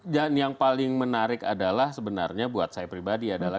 dan yang paling menarik adalah sebenarnya buat saya pribadi adalah